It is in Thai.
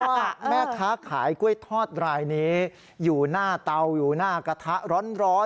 ว่าแม่ค้าขายกล้วยทอดรายนี้อยู่หน้าเตาอยู่หน้ากระทะร้อน